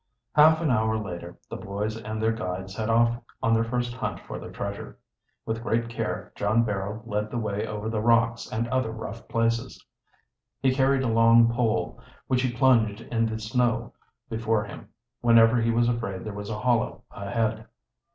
Half an hour later the boys and their guide set off on their first hunt for the treasure. With great care John Barrow led the way over the rocks and other rough places. He carried a long pole, which he plunged in the snow before him whenever he was afraid there was a hollow ahead.